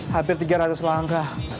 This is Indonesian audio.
hampir tiga ratus langkah